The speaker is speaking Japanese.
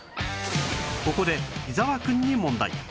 ここで伊沢くんに問題